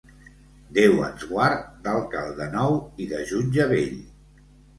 Déu ens guard d'alcalde nou i de jutge vell.